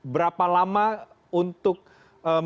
berapa lama untuk mencari